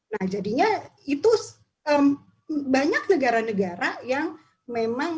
nah jadinya itu banyak negara negara yang memang